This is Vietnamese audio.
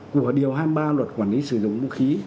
của điều hai mươi ba luật quản lý sử dụng vũ khí